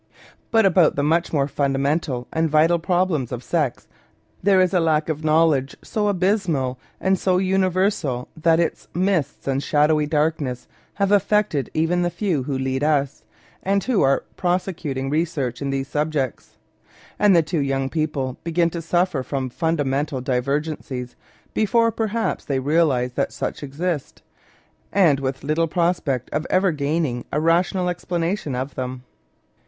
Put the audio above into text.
But about the much more fundamental and vital problems of sex, there is a lack of knowledge so abysmal and so universal that its mists and shadowy darkness have affected even the few who lead us, and who are prosecuting research in these subjects. And the two young people begin to suffer from funda mental divergencies, before perhaps they realise that such exist, and with little prospect of ever gaining a rational explanation of them.